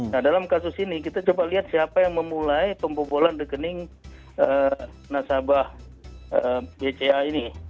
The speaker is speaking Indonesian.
nah dalam kasus ini kita coba lihat siapa yang memulai pembobolan rekening nasabah bca ini